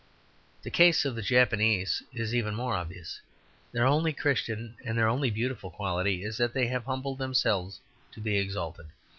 The case of the Japanese is even more obvious; their only Christian and their only beautiful quality is that they have humbled themselves to be exalted.